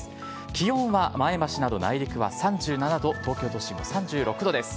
気温は前橋など内陸は３７度、東京都心、３６度です。